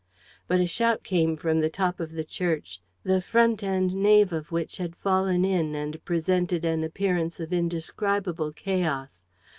But a shout came from the top of the church, the front and nave of which had fallen in and presented an appearance of indescribable chaos.